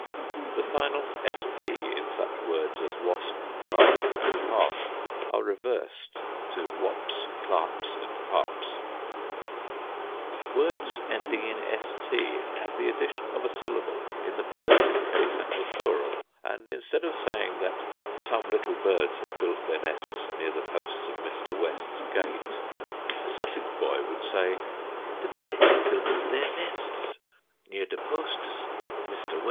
The final sp in such words as wasp, clasp, and hasp are reversed to wapse, clapse and hapse. Words ending in st have the addition of a syllable in the possessive case and the plural, and instead of saying that "some little birds had built their nests near the posts of Mr. West's gate," a Sussex boy would say, "the birds had built their nestes near the postes of Mr. Westes' gate."